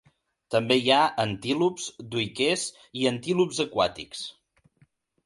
També hi ha antílops, duiquers i antílops aquàtics.